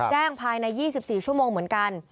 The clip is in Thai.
แจ้งภายใน๒๔ชั่วโมงเหมือนกัน